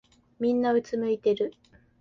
みんなうつむいてる。